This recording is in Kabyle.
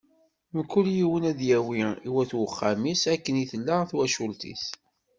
Mkul yiwen ad d-yawi i wat uxxam-is, akken i tella twacult-is.